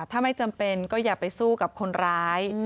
ถ้าไม่จำเป็นก็อย่าไปสู้กับคนร้าย